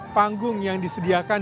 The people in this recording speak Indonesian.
panggung yang disediakan